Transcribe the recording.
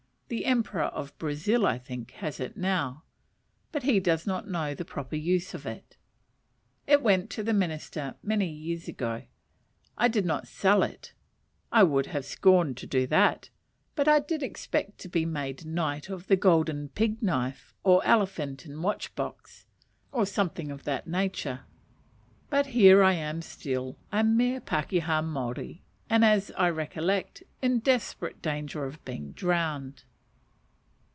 The Emperor of Brazil, I think, has it now; but he does not know the proper use of it. It went to the Minister many years ago. I did not sell it. I would have scorned to do that: but I did expect to be made Knight of the Golden Pig knife, or Elephant and Watch box, or something of that nature: but here I am still, a mere pakeha Maori and, as I recollect, in desperate danger of being drowned.